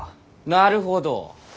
なるほど。